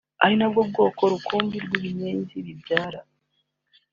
ari nabwo bwoko rukumbi bw’ibinyenzi bibyara